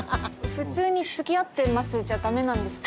普通につきあってますじゃダメなんですか？